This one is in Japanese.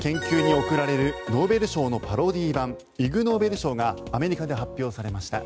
ユニークな研究に贈られるノーベル賞のパロディー版イグノーベル賞がアメリカで発表されました。